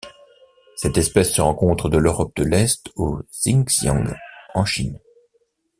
Cette espèce se rencontre de l'Europe de l'Est au Xinjiang en Chine.